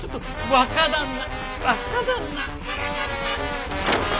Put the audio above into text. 若旦那！